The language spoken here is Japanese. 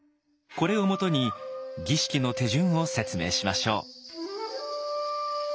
これをもとに儀式の手順を説明しましょう。